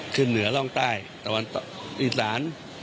เหนือร่องใต้ตะวันอิสาน